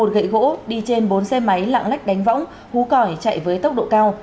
một gậy gỗ đi trên bốn xe máy lạng lách đánh võng hú còi chạy với tốc độ cao